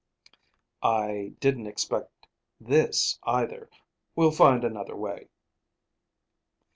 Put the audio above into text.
"I didn't expect this, either. We'll find another way."